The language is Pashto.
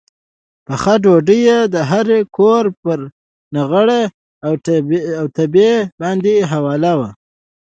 پخه ډوډۍ یې د هر کور پر نغري او تبۍ باندې حواله وه.